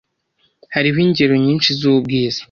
Hariho ingero nyinshi zubwiza.